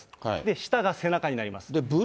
下が背中になります。